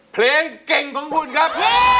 เพลงเก่งของคุณครับ